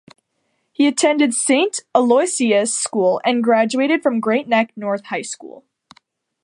He attended Saint Aloysius School and graduated from Great Neck North High School.